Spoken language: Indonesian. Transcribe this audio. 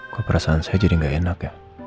kok perasaan saya jadi nggak enak ya